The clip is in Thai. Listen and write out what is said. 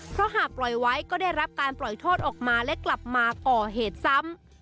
เพราะหากปล่อยไว้ก็ได้รับการปล่อยโทษออกมาและกลับมาก่อเหตุซ้ำ